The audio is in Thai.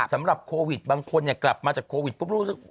สำหรับคอวิตบางคนเนี่ยกลับมาจากคอวิตบุ๊กลูกลูก